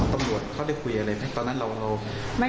ตำรวจเขาได้คุยอะไรไหมตอนนั้นเรา